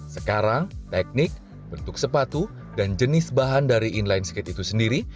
sekarang teknik bentuk sepatu dan jenis bahan dari inline skate itu sendiri